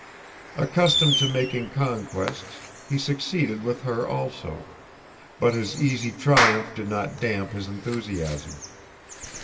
Accustomed to making conquests, he succeeded with her also, but his easy triumph did not damp his enthusiasm.